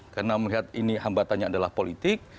karena melihat ini hambatannya adalah politik